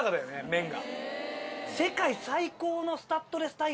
麺が。